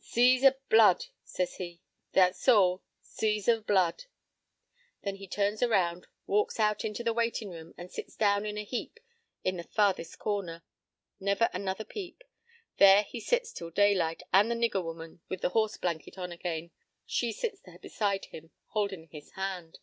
p> "'Seas o' blood,' says he. That's all. 'Seas o' blood!' "Then he turns around, walks out into the waitin' room, and sits down in a heap in the farthest corner. Never another peep. There he sits till daylight, and the nigger woman, with the horse blanket on again, she sits there beside him, holdin' his hand.